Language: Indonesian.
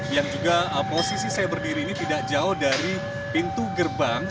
yang juga posisi saya berdiri ini tidak jauh dari pintu gerbang